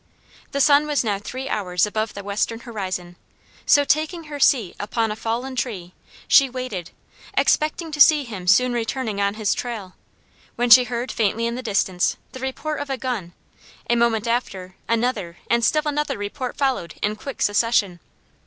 The sun was now three hours above the western horizon; so taking her seat upon a fallen tree, she waited, expecting to see him soon returning on his trail, when she heard faintly in the distance the report of a gun; a moment after, another and still another report followed in quick succession.